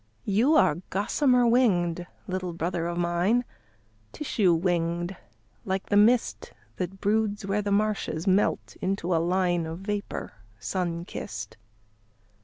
You are gossamer winged, little brother of mine, Tissue winged, like the mist That broods where the marshes melt into a line Of vapour sun kissed.